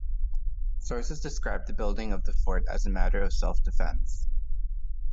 Sources describe the building of the fort as a matter of self-defence.